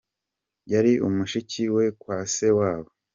Y ari mushiki we kwa se wabo.